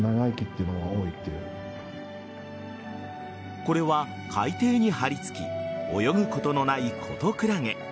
これは海底に張りつき泳ぐことのないコトクラゲ。